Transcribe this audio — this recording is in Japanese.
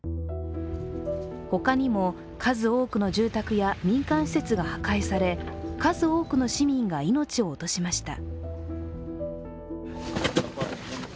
他にも数多くの住宅や民間施設が破壊され数多くの市民が命を落としました。